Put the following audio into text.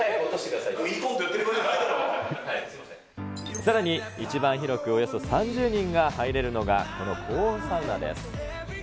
ミニコントやってる場合じゃさらに、一番広く、およそ３０人が入れるのが、この高温サウナです。